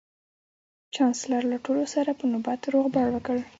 چانسلر له ټولو سره په نوبت روغبړ وکړ